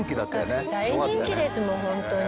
大人気ですもんホントに。